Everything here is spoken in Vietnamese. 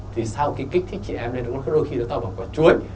thì sau khi kích thích chị em lên đôi khi nó to bằng quả chuối